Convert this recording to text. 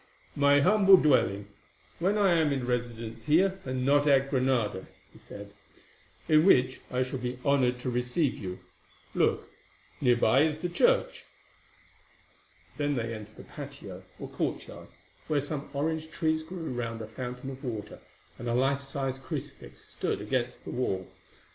"My humble dwelling, when I am in residence here, and not at Granada," he said, "in which I shall be honoured to receive you. Look, near by is the church." Then they entered a patio, or courtyard, where some orange trees grew round a fountain of water, and a life sized crucifix stood against the wall.